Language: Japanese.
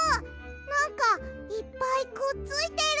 なんかいっぱいくっついてる！